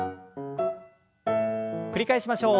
繰り返しましょう。